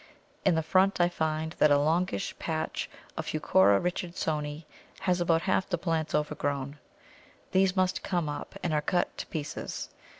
In the front I find that a longish patch of Heuchera Richardsoni has about half the plants overgrown. These must come up, and are cut to pieces.